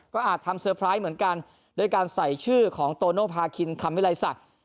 ก็อาจทำเซอร์ไพรส์เหมือนกันด้วยการใส่ชื่อของโตโนภาคินคำวิลัยศักดิ์